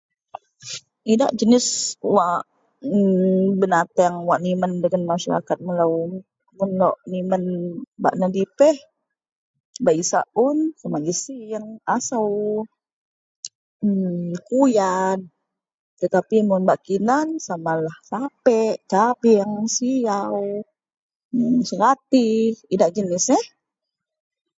Idak jenih wak .. ee.. benateang wak nimen dagen masarakat melou, yen lok nimen bak nedipeh bak isak un sama ji sieng, asou .. ee.. kuyad tetapi mun bak kinan samalah sapek, kabieng, siyau, serati, idak jenih yeh.